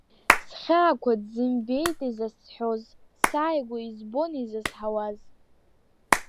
Схьаақәа дзымбеит изасҳәоз, сааигәа избон изызҳауаз…